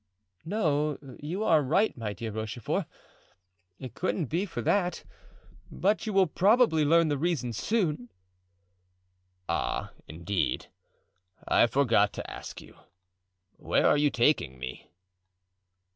"No; you are right, my dear Rochefort, it couldn't be for that; but you will probably learn the reason soon." "Ah, indeed! I forgot to ask you—where are you taking me?"